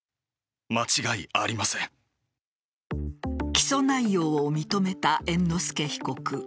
起訴内容を認めた猿之助被告。